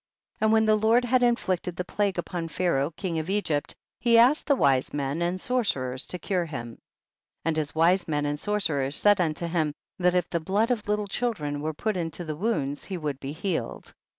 28. And when the Lord had in flicted the plague upon Pharaoh king THE BOOK OF JASHER. 229 of Egypt, he asked his wise men and sorcerers to cure him. 29. And his wise men and sor cerers said unto him, that if the blood of Hltle children were put into the wounds he would be healed.